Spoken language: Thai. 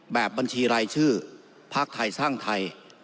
แบบบัญชีรายชื่อภาคไทยสร้างไทย